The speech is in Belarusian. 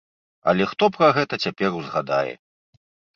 Але хто пра гэта цяпер узгадае?